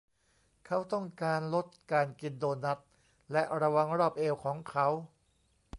เขาต้องการลดการกินโดนัทและระวังรอบเอวของเขา